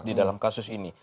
di dalam kasus ini